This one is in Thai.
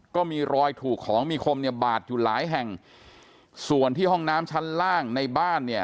ก็มีรอยถูกของมีคมเนี่ยบาดอยู่หลายแห่งส่วนที่ห้องน้ำชั้นล่างในบ้านเนี่ย